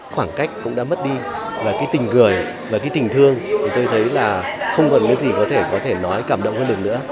khoảng cách cũng đã mất đi và cái tình gửi và cái tình thương tôi thấy là không còn cái gì có thể nói cảm động hơn được nữa